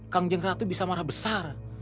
kang jeng ratu bisa marah besar